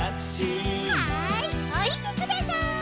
はいおりてください。